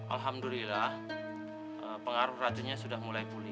alhamdulillah pengaruh racunnya sudah mulai pulih